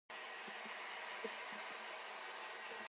咳啾